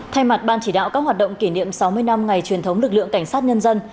thay mặt ban chỉ đạo các hoạt động kỷ niệm sáu mươi năm ngày truyền thống lực lượng cảnh sát nhân dân